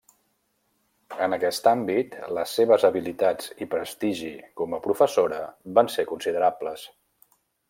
En aquest àmbit, les seves habilitats i prestigi com a professora van ser considerables.